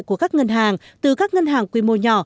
của các ngân hàng từ các ngân hàng quy mô nhỏ